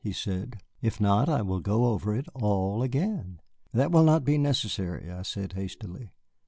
he said; "if not, I will go over it all again." "That will not be necessary," I said hastily.